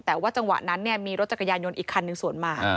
แต่ว่าจังหวะนั้นมีรถจักรยานยนต์อีกคันหนึ่งสวนมา